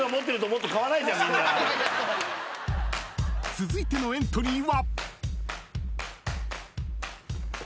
［続いてのエントリーは？］